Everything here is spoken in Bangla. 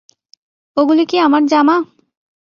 ওগুলো কি আমার জামা?